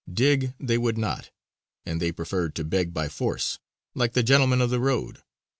Dig they would not, and they preferred to beg by force, like the "gentlemen of the road."